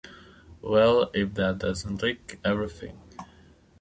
Well, if that doesn't lick everything!